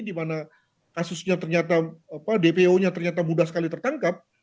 di mana kasusnya ternyata dpo nya ternyata mudah sekali tertangkap